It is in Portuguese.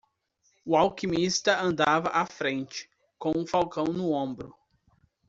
O alquimista andava à frente, com o falcão no ombro.